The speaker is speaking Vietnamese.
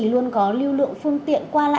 luôn có lưu lượng phương tiện tham gia giao thông đông